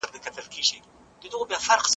د نوي ښوونیز نظام د بریا لپاره د خلکو ونډه څه ده؟